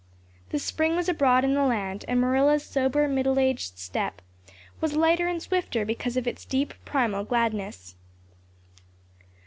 The spring was abroad in the land and Marilla's sober, middle aged step was lighter and swifter because of its deep, primal gladness.